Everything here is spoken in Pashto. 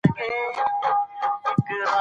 اقتصاد د مالي چارو په مرسته پرمختګ کوي.